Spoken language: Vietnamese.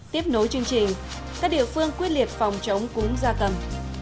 tiếp nối chương trình các địa phương quyết liệt phòng chống cúng gia cầm